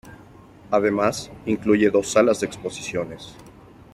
Además, incluye dos salas de exposiciones.